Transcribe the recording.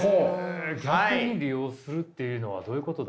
逆に利用するっていうのはどういうことだ？